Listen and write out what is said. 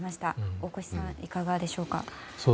大越さん、いかがでしょうか。